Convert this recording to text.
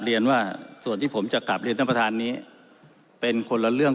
เรียนว่าส่วนที่ผมจะกลับเรียนท่านประธานนี้เป็นคนละเรื่อง